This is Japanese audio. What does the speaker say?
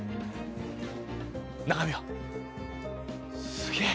すげえ。